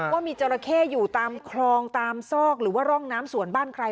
ว่ามีจราเข้อยู่ตามคลองตามซอกหรือว่าร่องน้ำสวนบ้านใคร